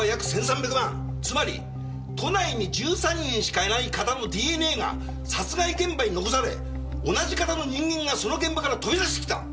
つまり都内に１３人しかいない型のＤＮＡが殺害現場に残され同じ型の人間がその現場から飛び出してきた。